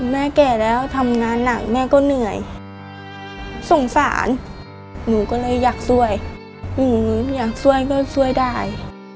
แม่แก่แล้วทำงานหนักแม่ก็เหนื่อยสงสารหนูก็เลยอยากช่วยหนูอยากช่วยก็ช่วยได้